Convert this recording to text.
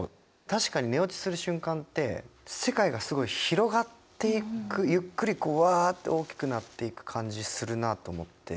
確かに寝落ちする瞬間って世界がすごい広がっていくゆっくりこうわあって大きくなっていく感じするなあと思って。